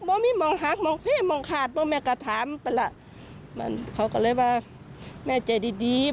ว่าไม่มองต่อหักมองเห็นมองศารี